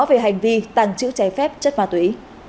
về hành vi tàng trữ trái phép chất ma túy